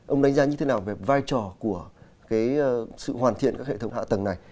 ông đánh giá như thế nào về vai trò của sự hoàn thiện các hệ thống hạ tầng này